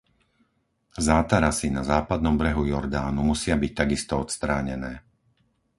Zátarasy na Západnom brehu Jordánu musia byť takisto odstránené.